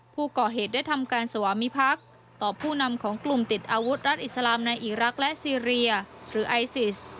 ผู้ก่อเหตุได้ทำการสวามิพักษ์ต่อผู้นำของกลุ่มติดอาวุธรัฐอิสลามในอีรักษ์และซีเรียหรือไอซิส